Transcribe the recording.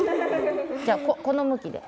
じゃあこの向きで。